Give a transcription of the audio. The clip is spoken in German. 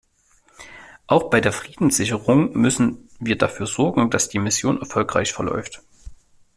Auch bei der Friedenssicherung müssen wir dafür sorgen, dass die Mission erfolgreich verläuft.